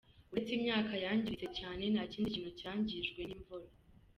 Uretse imyaka yangiritse cyane, nta kindi kintu cyangijwe n’imvura.